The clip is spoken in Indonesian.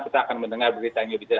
kita akan mendengar berita ini